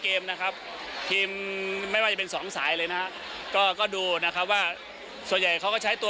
เกมนะครับทีมไม่ว่าจะเป็นสองสายเลยนะฮะก็ก็ดูนะครับว่าส่วนใหญ่เขาก็ใช้ตัว